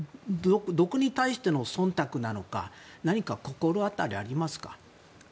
どこに対しての忖度なのか心当たりはありますか？